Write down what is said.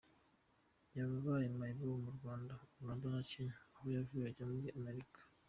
Yabaye mayibobo mu Rwanda, Uganda na Kenya aho yavuye ajya muri Amerika.